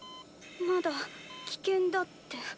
まだ危険だって。